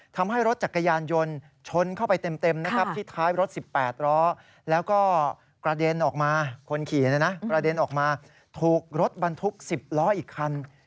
ทำให้รถจักรยานยนต์ชนเข้าไปเต็มนะครับที่ท้ายรถ๑๘ล้อแล้วก็กระเด็นออกมาคนขี่กระเด็นออกมาถูกรถบรรทุก๑๐ล้ออีกคัน